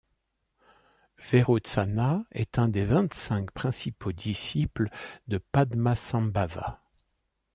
Vairotsana est un des vingt-cinq principaux disciples de Padmasambhava.